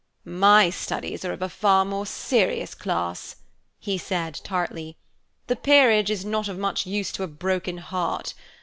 "My studies are of a far more serious class," he said tartly; "the 'Peerage' is not of much use to a broken heart.